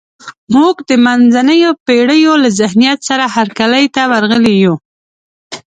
موږ د منځنیو پېړیو له ذهنیت سره هرکلي ته ورغلي یو.